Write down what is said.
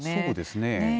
そうですね。